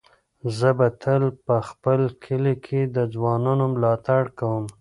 زه به تل په خپل کلي کې د ځوانانو ملاتړ کوم.